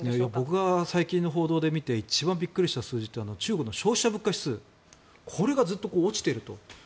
僕が最近の報道で見て一番ビックリした数字が中国の消費者物価指数がずっと落ちていると。